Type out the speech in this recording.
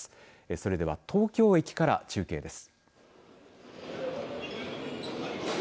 それでは東京駅から中継です。